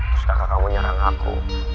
terus kakak kamu nyerang aku